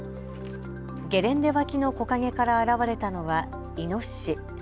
ゲレンデ脇の木陰から現れたのはイノシシ。